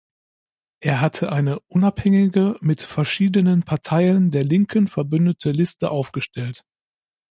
Er hatte eine unabhängige, mit verschiedenen Parteien der Linken verbündete Liste aufgestellt.